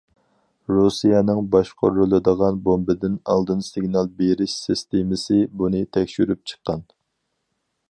رۇسىيەنىڭ باشقۇرۇلىدىغان بومبىدىن ئالدىن سىگنال بېرىش سىستېمىسى بۇنى تەكشۈرۈپ چىققان.